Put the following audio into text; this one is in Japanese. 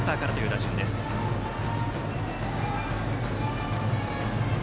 ５番バッターからという打順です。